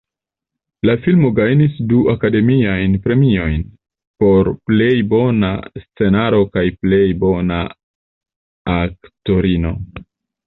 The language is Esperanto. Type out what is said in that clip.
La filmo gajnis du Akademiajn Premiojn, por plej bona scenaro kaj plej bona aktorino.